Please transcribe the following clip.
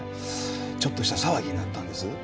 ちょっとした騒ぎになったんです。